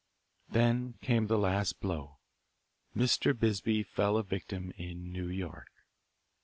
Then came the last blow Mr. Bisbee fell a victim in New York.